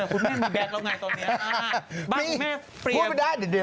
คุณแม่งมีแบ๊กแล้วไงตอนนี้